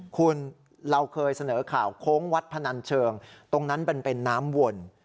คุณเราเคยเสนอข่าวโค้งวัดพนันเชิงตรงนั้นมันเป็นน้ำวน